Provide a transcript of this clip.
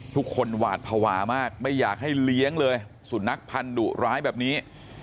ความหวาดภาวะมากไม่อยากให้เลี้ยงเลยสุนัขพันธุร้ายแบบนี้